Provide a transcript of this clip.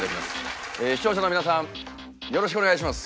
視聴者の皆さんよろしくお願いします。